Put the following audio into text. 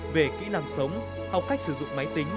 về kỹ năng sống học cách sử dụng máy tính